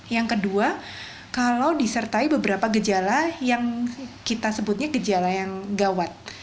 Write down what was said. yang kedua kalau disertai beberapa gejala yang kita sebutnya gejala yang gawat